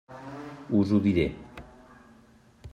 Us ho diré.